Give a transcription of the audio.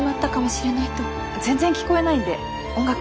全然聞こえないんで音楽は。